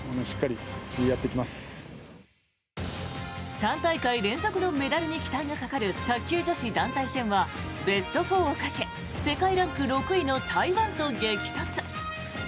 ３大会連続のメダルに期待がかかる卓球女子団体戦はベスト４をかけ世界ランク６位の台湾と激突。